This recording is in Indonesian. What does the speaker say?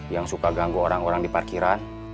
yang suka ganggu orang orang di parkiran